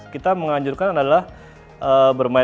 kita menganjurkan adalah bermain